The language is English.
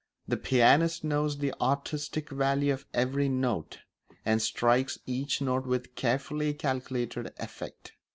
The pianist knows the artistic value of every note, and strikes each note with carefully calculated effect.